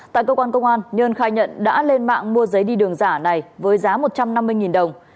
tại cơ quan công an nhân khai nhận đã lên mạng mua giấy đi đường giả này với giá một trăm năm mươi đồng